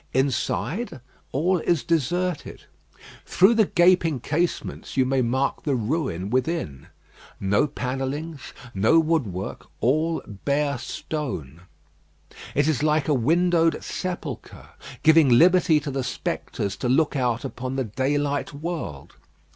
Inside all is deserted. Through the gaping casements you may mark the ruin within. No panellings, no woodwork; all bare stone. It is like a windowed sepulchre, giving liberty to the spectres to look out upon the daylight world.